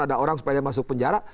ada orang supaya masuk penjara